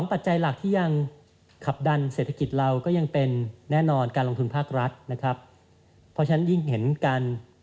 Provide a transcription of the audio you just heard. เพราะฉะนั้นยิ่งเห็นการ